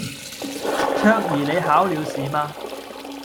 卓怡你考了試嗎